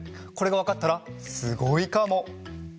これがわかったらすごいかも！